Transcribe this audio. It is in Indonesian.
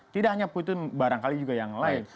tidak hanya putun barangkali juga yang lain